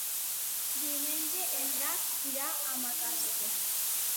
Diumenge en Drac irà a Macastre.